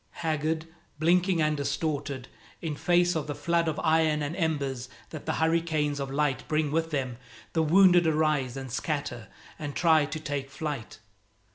Haggard, blinking and distorted, in face of the flood of iron and embers that the hurricanes of light bring with them, the wounded arise and scatter and try to take flight.